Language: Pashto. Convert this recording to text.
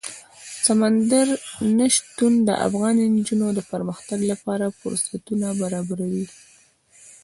سمندر نه شتون د افغان نجونو د پرمختګ لپاره فرصتونه برابروي.